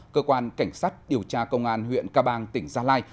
cơ quan cảnh sát điều tra công an huyện ca bang tỉnh gia lai